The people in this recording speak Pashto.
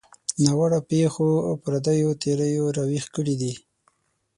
ناوړه پېښو او پردیو تیریو راویښ کړي دي.